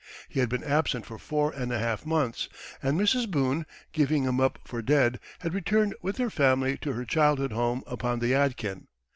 He had been absent for four and a half months, and Mrs. Boone, giving him up for dead, had returned with their family to her childhood home upon the Yadkin.